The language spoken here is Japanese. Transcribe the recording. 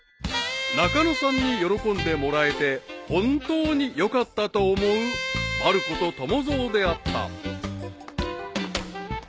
［中野さんに喜んでもらえて本当によかったと思うまる子と友蔵であった］